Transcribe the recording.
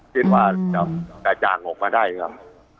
คิดว่าจะจัดต่อมาได้ครับ